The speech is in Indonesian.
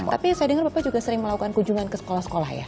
tapi saya dengar bapak juga sering melakukan kunjungan ke sekolah sekolah ya